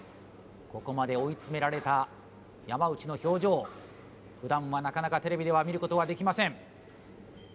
ここまで追い詰められた山内の表情普段はなかなかテレビでは見ることはできません